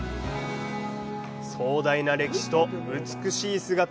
壮大な歴史と美しい姿。